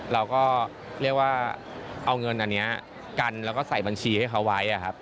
เราก็เรียกว่าเอาเงินอันนี้กันแล้วก็ใส่บัญชีให้เขาไว้ครับ